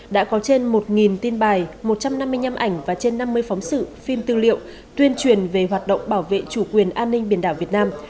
đã có trên một tin bài một trăm năm mươi năm ảnh và trên năm mươi phóng sự phim tư liệu tuyên truyền về hoạt động bảo vệ chủ quyền an ninh biển đảo việt nam